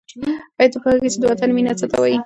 آیا ته پوهېږې چې د وطن مینه څه ته وايي؟